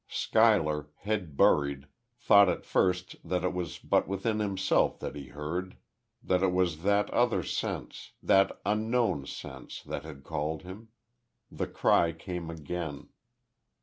Schuyler, head buried, thought at first that it was but within himself that he heard that it was that other sense that unknown sense that had called him.... The cry came again....